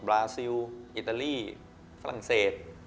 ราซิลอิตาลีฝรั่งเศส